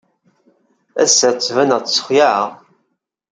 Ass-a, ttbaneɣ-d ssexlaɛeɣ.